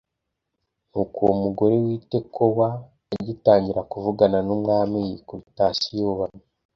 Nuko uwo mugore w’i Tekowa agitangira kuvugana n’umwami yikubita hasi yubamye